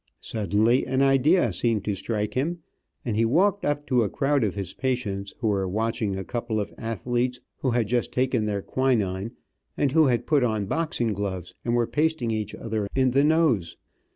Suddenly an idea seemed to strike him, and he walked up to a crowd of his patients, who were watching a couple of athletes, who had just taken their quinine, and who had put on boxing gloves and were pasting each other in the nose.